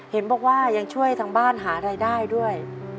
เห็นบอกว่ายังช่วยทางบ้านหารายได้ด้วย